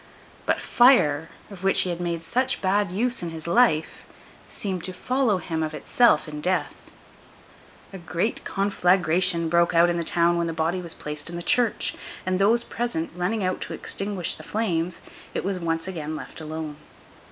But fire, of which he had made such bad use in his life, seemed to follow him of itself in death. A great conflagration broke out in the town when the body was placed in the church; and those present running out to extinguish the flames, it was once again left alone.